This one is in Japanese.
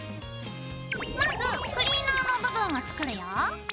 まずクリーナーの部分を作るよ。